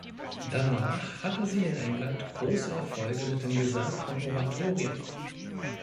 Danach hatte sie in England große Erfolge mit dem Gesang von Oratorien.